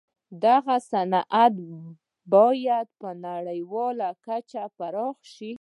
دغه صنعت بايد په نړيواله کچه پراخ شي.